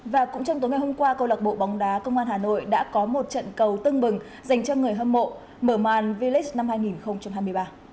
và cũng trong tối ngày hôm qua công an hà nội đã có một trận cầu tưng bừng dành cho người hâm mộ mở màn village năm hai nghìn hai mươi ba